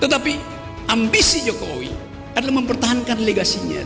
tetapi ambisi jokowi adalah mempertahankan legasinya